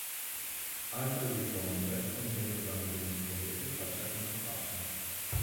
Altre due tombe contenevano degli scheletri faccia contro faccia.